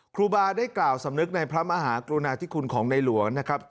ครูบาได้กล่าวสำนึกในพระมหากรุณาธิคุณของในหลวงนะครับ